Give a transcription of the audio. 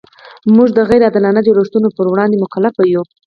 موږ د غیر عادلانه جوړښتونو پر وړاندې مکلف یو.